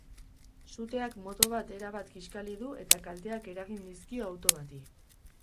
Suteak moto bat erabat kiskali du eta kalteak eragin dizkio auto bati.